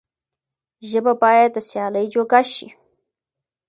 ژبه بايد د سيالۍ جوګه شي.